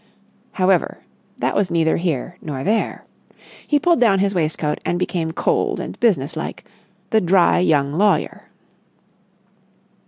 However, that was neither here nor there. He pulled down his waistcoat and became cold and business like,—the dry young lawyer.